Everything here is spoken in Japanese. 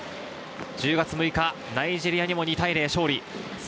１０月６日ナイジェリアに２対０で勝利。